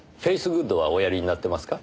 グッドはおやりになってますか？